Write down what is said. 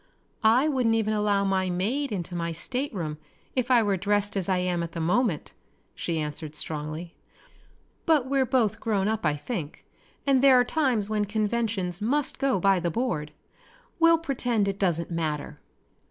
"I wouldn't even allow my maid into my stateroom if I were dressed as I am at the moment," she answered strongly, "but we're both grown up I think, and there are times when conventions go by the board. We'll pretend it doesn't matter!"